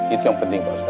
itu yang penting pak ustaz